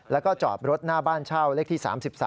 แล้วก็จอดรถหน้าบ้านเช่าเลขที่๓๓